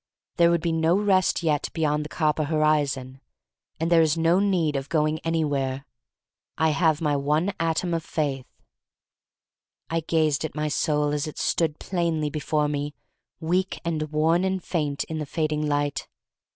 There would be no rest yet beyond the copper horizon. And there is no need of going any where. I have my one atom of faith." I gazed at my soul as it stood plainly before me, weak and worn and faint, in THE STORY OF MARY MAC LANE 213 the fading light.